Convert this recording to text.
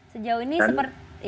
sejauh ini seperti